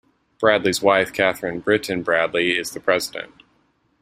Bradley's wife, Katherine Brittain Bradley, is the president.